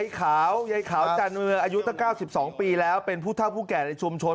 เย้ยขาวอายุเท่า๙๒ปีแล้วเป็นผู้เท่าผู้แก่ในชุมชน